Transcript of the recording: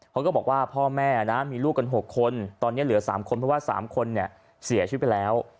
เขาก็บอกว่าพ่อแม่นะมีลูกกัน๖คนตอนนี้เหลือ๓คนเพราะว่า๓คนเนี่ยเสียชีวิตไปแล้ว